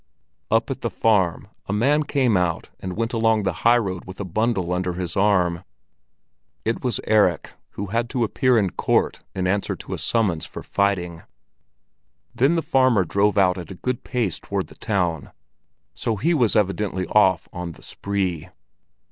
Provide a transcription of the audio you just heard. Up at the farm a man came out and went along the high road with a bundle under his arm. It was Erik, who had to appear in court in answer to a summons for fighting. Then the farmer drove out at a good pace toward the town, so he was evidently off on the spree.